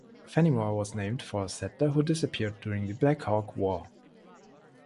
Fennimore was named for a settler who disappeared during the Black Hawk War.